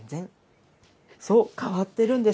そう、変わってるんです。